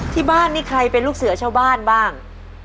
ที่บ้านนี่ใครเป็นลูกเสือชาวบ้านบ้าง